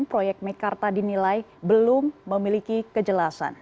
proyek mekarta dinilai belum memiliki kejelasan